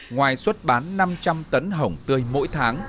ngoài xuất bán năm trăm linh tấn hồng tươi mỗi tháng